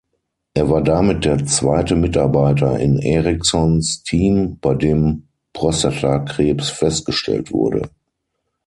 Er war damit der zweite Mitarbeiter in Erikssons Team, bei dem Prostatakrebs festgestellt wurde.